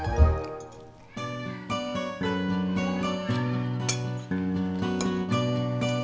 kita tungguin kak